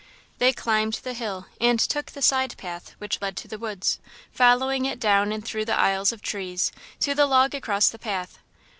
They climbed the hill and took the side path which led to the woods, following it down and through the aisles of trees, to the log across the path.